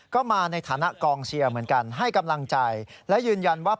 กรณีนี้ทางด้านของประธานกรกฎาได้ออกมาพูดแล้ว